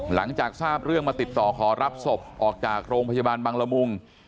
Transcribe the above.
หลังจากทราบเรื่องมาติดต่อขอรับศพออกจากโรงพยาบาลบังละมุง